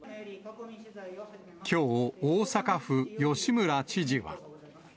きょう、大阪府、吉村知事は。